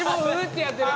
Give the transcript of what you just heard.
てやってる！